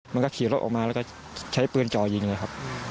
มันก็ขี่รถออกมาแล้วก็ใช้ปืนจ่อยิงเลยครับ